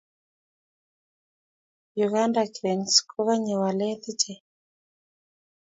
Uganda Cranes kokanye walet ichek